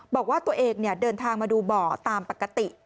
บอกว่าตัวเองเดินทางมาดูบ่อตามปกติ